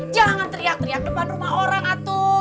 jangan teriak teriak depan rumah orang atau